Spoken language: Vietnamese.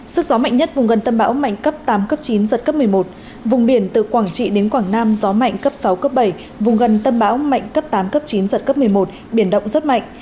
sức gió mạnh nhất vùng gần tâm bão mạnh cấp tám cấp chín giật cấp một mươi một vùng biển từ quảng trị đến quảng nam gió mạnh cấp sáu cấp bảy vùng gần tâm bão mạnh cấp tám cấp chín giật cấp một mươi một biển động rất mạnh